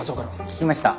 聞きました。